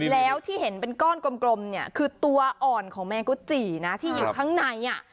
แล้วที่เห็นเป็นก้อนกลมเนี่ยคือตัวอ่อนของแมงกุจีนะที่อยู่ข้างใน